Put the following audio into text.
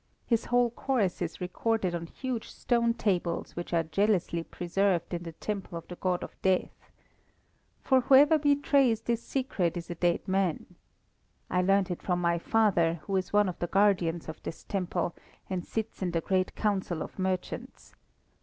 His whole course is recorded on huge stone tables which are jealously preserved in the temple of the God of Death. For whoever betrays this secret is a dead man. I learnt it from my father, who is one of the guardians of this temple, and sits in the great council of merchants.